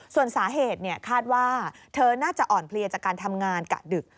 ส่วนสาเหตุคาดว่าเธอน่าจะอ่อนเพลียจากการทำงานกะดึก